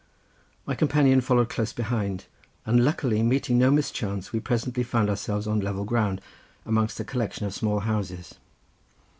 My companion followed close behind, and luckily meeting no mischance, we presently found ourselves on level ground, amongst a collection of small houses.